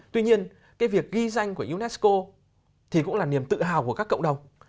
tuy nhiên cái việc ghi danh của unesco thì cũng là niềm tự hào của các cộng đồng